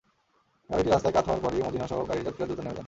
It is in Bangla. গাড়িটি রাস্তায় কাত হওয়ার পরই মজীনাসহ গাড়ির যাত্রীরা দ্রুত নেমে যান।